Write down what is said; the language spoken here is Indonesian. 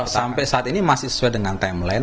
sampai saat ini masih sesuai dengan timeline